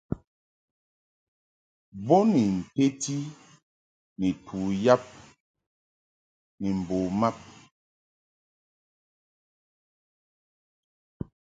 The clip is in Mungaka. Bo ni nteti ni tu yab ni mbo mab.